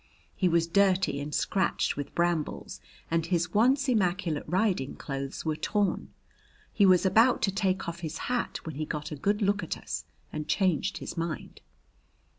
He was dirty and scratched with brambles, and his once immaculate riding clothes were torn. He was about to take off his hat when he got a good look at us and changed his mind.